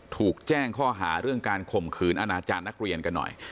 ถูกแจ้งข้อหาร่วมการคมคืนอาหารนักเรียนกันหน่อย